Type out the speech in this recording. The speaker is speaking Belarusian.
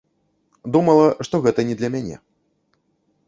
Думала, што гэта не для мяне.